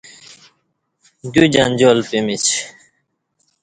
دیوجنجال پمیچ